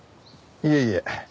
いえいえ。